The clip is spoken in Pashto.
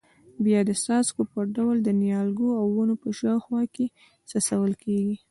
بیا د څاڅکو په ډول د نیالګیو او ونو په شاوخوا کې څڅول کېږي.